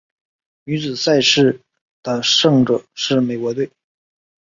女子赛事的胜者是美国队。